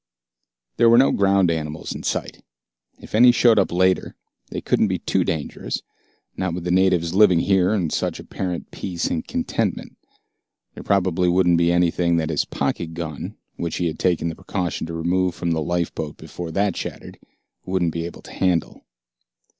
There were no ground animals in sight. If any showed up later, they couldn't be too dangerous, not with the natives living here in such apparent peace and contentment. There probably wouldn't be anything that his pocket gun, which he had taken the precaution to remove from the lifeboat before that shattered, wouldn't be able to handle.